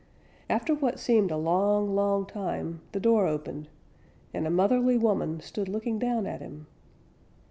After what seemed a long, long time the door opened, and a motherly woman stood looking down at him.